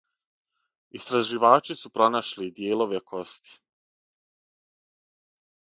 Истраживачи су пронашли и дијелове кости.